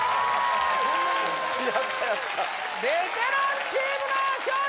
ベテランチームの勝利！